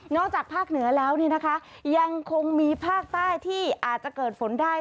จากภาคเหนือแล้วยังคงมีภาคใต้ที่อาจจะเกิดฝนได้